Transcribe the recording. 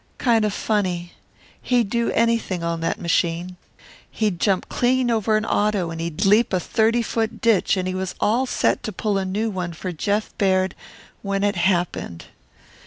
"Kind of funny. He'd do anything on that machine. He'd jump clean over an auto and he'd leap a thirty foot ditch and he was all set to pull a new one for Jeff Baird when it happened.